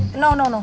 tidak tidak tidak